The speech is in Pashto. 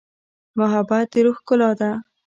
محبت د روح ښکلا ده.